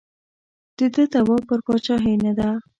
د ده دعوا پر پاچاهۍ نه ده.